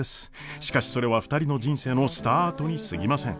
しかしそれは２人の人生のスタートにすぎません。